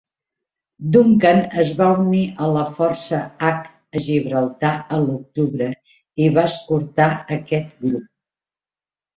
"Duncan" es va unir a la força H a Gibraltar a l'octubre i va escortar aquest grup.